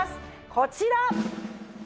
こちら！